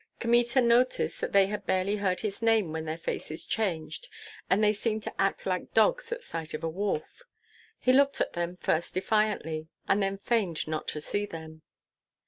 Kmita noticed that they had barely heard his name when their faces changed and they seemed to act like dogs at sight of a wolf; he looked at them first defiantly, and then feigned not to see them.